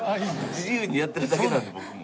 自由にやってるだけなんで僕も。